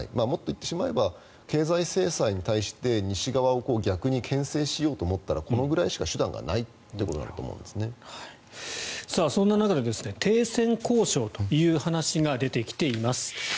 もっと言ってしまえば経済制裁に対して西側を逆にけん制しようと思ったらこのぐらいしか手段がないということだとそんな中で停戦交渉という話が出てきています。